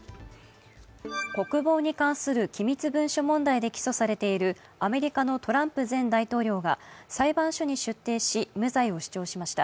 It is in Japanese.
国防に関する機密文書問題で起訴されているアメリカのトランプ前大統領が裁判所に出廷し無罪を主張しました。